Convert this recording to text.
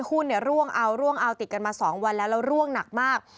หุ้นเนี่ยร่วงอาวร่วงอาวติดกันมาสองวันแล้วแล้วร่วงหนักมาก